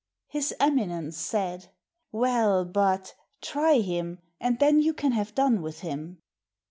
His Eminence said, " Well, but — try him, and then you can have done with him."